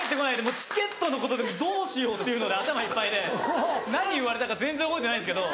もうチケットのことでどうしようっていうので頭いっぱいで何言われたか全然覚えてないんですけど。